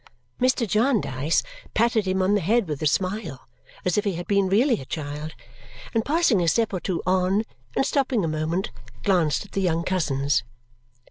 Mr. Jarndyce patted him on the head with a smile, as if he had been really a child, and passing a step or two on, and stopping a moment, glanced at the young cousins.